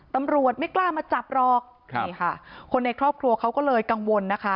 ตำรวจไม่กล้ามาจับรอกคนในครอบครัวเขาก็เลยกังวล